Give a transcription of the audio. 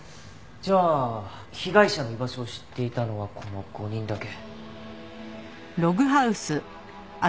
じゃあ被害者の居場所を知っていたのはこの５人だけ。